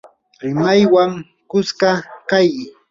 rimaqwan kuska kaq